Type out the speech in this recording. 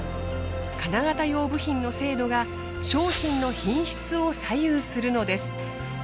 金型用部品の精度が商品の品質を左右するのです。